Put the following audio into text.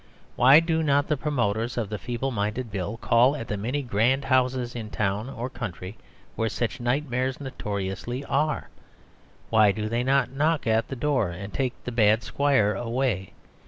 Why do not the promoters of the Feeble Minded Bill call at the many grand houses in town or country where such nightmares notoriously are? Why do they not knock at the door and take the bad squire away?